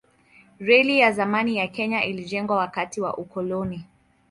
Reli ya zamani ya Kenya ilijengwa wakati wa ukoloni.